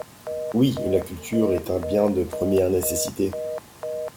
Oui, la culture est un bien de première nécessité.